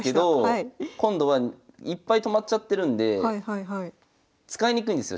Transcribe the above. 今度はいっぱいとまっちゃってるんで使いにくいんですよ